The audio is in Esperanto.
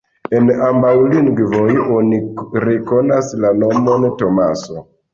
En ambaŭ lingvoj oni rekonas la nomon Tomaso.